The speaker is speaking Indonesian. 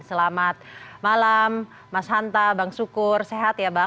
selamat malam mas hanta bang sukur sehat ya bang